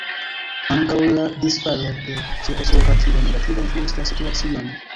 Ankaŭ la disfalo de Ĉeĥoslovakio negative influis la situacion.